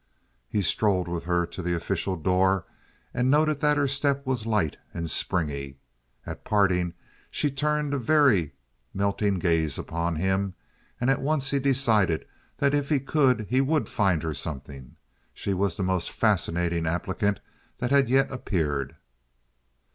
He strolled with her to the official door, and noted that her step was light and springy. At parting she turned a very melting gaze upon him, and at once he decided that if he could he would find her something. She was the most fascinating applicant that had yet appeared.